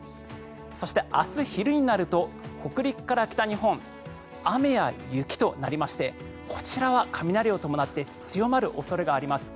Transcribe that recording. そして、明日昼になると北陸から北日本雨や雪となりましてこちらは雷を伴って強まる恐れがあります。